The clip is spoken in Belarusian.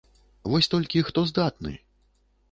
Вось толькі хто здатны?